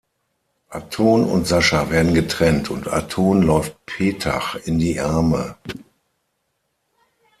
Aton und Sascha werden getrennt und Aton läuft Petach in die Arme.